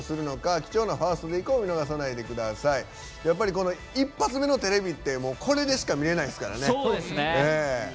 やっぱり一発目のテレビってこれでしか見れないですからね。